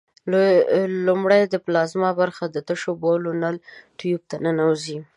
لومړی د پلازما برخه د تشو بولو نل ټیوب ته ننوزي.